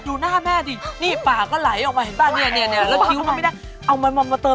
ดูหน้าแม่ดิ